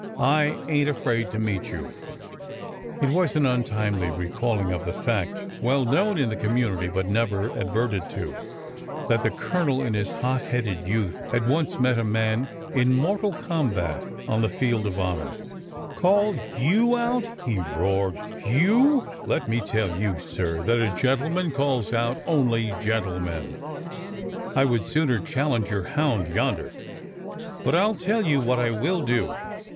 I ain't afraid to meet you !" It was an untimely recalling of the fact, well known in the community but never adverted to, that the Colonel in his hot headed youth had once met a man in mortal com bat on the field of honor. 84 ORDER NO. 11 ''Call you out!" he roared; '' youf Let me tell you, sir, that a gentleman calls out only gentlemen 1 I would sooner challenge your hound yonder 1 But I 'll tell you what I will do.